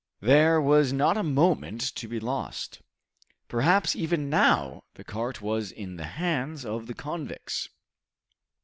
There was not a moment to be lost. Perhaps even now the cart was in the hands of the convicts!